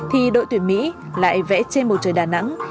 thì đội tuyển mỹ lại vẽ trên bầu trời đà nẵng